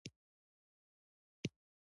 جومات د خدای کور دی